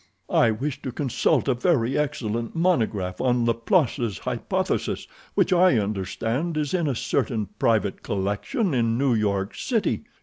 I wish to consult a very excellent monograph on Laplace's hypothesis, which I understand is in a certain private collection in New York City.